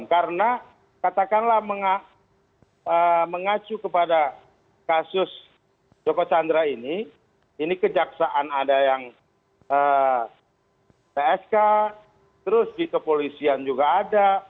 karena katakanlah mengacu kepada kasus joko chandra ini ini kejaksaan ada yang psk terus di kepolisian juga ada